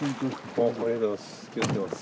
ありがとうございます